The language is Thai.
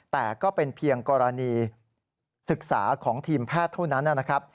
แต่ก็เป็นเพียงกรณีศึกษาของทีมแพทย์เท่านั้นนะครับ